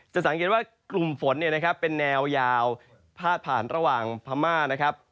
สังเกตว่ากลุ่มฝนเป็นแนวยาวพาดผ่านระหว่างพม่านะครับ